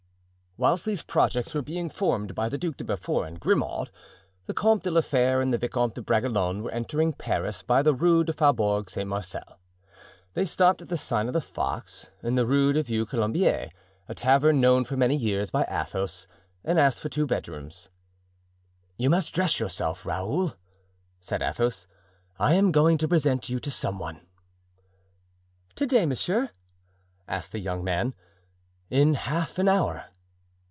Whilst these projects were being formed by the Duc de Beaufort and Grimaud, the Comte de la Fere and the Vicomte de Bragelonne were entering Paris by the Rue du Faubourg Saint Marcel. They stopped at the sign of the Fox, in the Rue du Vieux Colombier, a tavern known for many years by Athos, and asked for two bedrooms. "You must dress yourself, Raoul," said Athos, "I am going to present you to some one." "To day, monsieur?" asked the young man. "In half an hour."